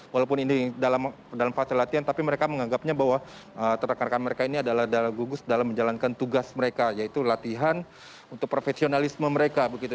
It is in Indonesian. walaupun ini dalam fase latihan tapi mereka menganggapnya bahwa rekan rekan mereka ini adalah gugus dalam menjalankan tugas mereka yaitu latihan untuk profesionalisme mereka begitu